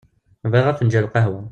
Bɣiɣ afenǧal n lqehwa.